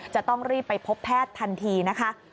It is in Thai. จะต้องรีบไปพบแพทย์ทันทีนะคะ